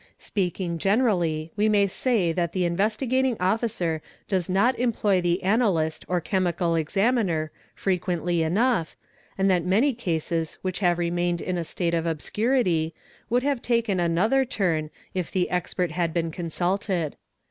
Speaking generally we may say that the Investigating Officer does not employ the analyst or chemical exam _ iner frequently enough, and that many cases which have remained in a _ state of obscurity would have taken another turn if the expert had been _ consulted.